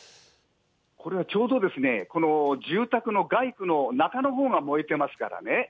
これはちょうど、この住宅の外部の中のほうが燃えてますからね。